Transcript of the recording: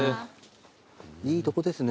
いいとこですね。